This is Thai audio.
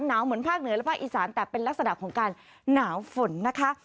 เหมือนภาคเหนือและภาคอีสานแต่เป็นลักษณะของการหนาวฝนนะคะ